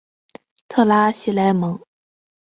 特拉西莱蒙。